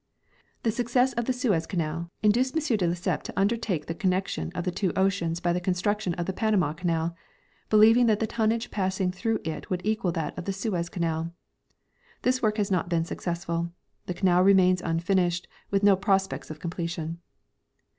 The success of the Suez ca^ial induced M de Lesseps to under take the connection of the two oceans by the construction of the Panama canal, believing that the tonnage passing through it would equal that of the Suez canal. This Avork has not been successful ; the canal remains unfinished, with no prospects of completion